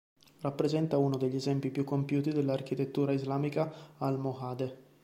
Rappresenta uno degli esempi più compiuti dell'architettura islamica almohade.